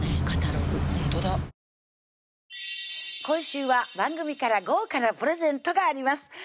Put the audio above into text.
今週は番組から豪華なプレゼントがあります